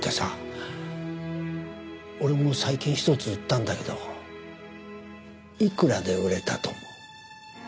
俺も最近１つ売ったんだけどいくらで売れたと思う？